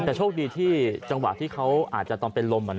แต่โชคดีที่จังหวะที่เขาอาจจะตอนเป็นลม